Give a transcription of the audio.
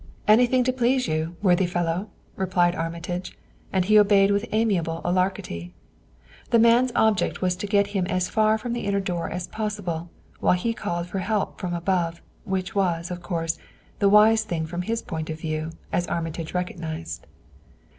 "Anything to please you, worthy fellow," replied Armitage, and he obeyed with amiable alacrity. The man's object was to get him as far from the inner door as possible while he called help from above, which was, of course, the wise thing from his point of view, as Armitage recognized.